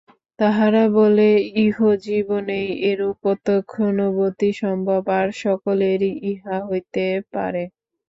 তাঁহারা বলেন, ইহজীবনেই এরূপ প্রত্যক্ষানুভূতি সম্ভব, আর সকলেরই ইহা হইতে পারে।